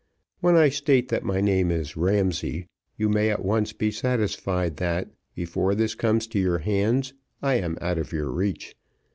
When I state that my name is Ramsay, you may at once be satisfied that, before this comes to your hands, I am out of your reach.